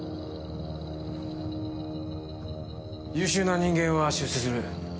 優秀な人間は出世する。